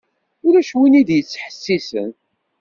Ulac win i d-yettḥessisen.